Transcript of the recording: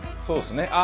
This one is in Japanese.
そうですね。